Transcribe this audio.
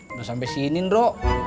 udah sampai sini nro